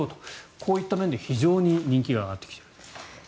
こういった面で非常に人気が上がってきていると。